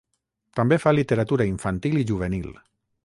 També fa literatura infantil i juvenil.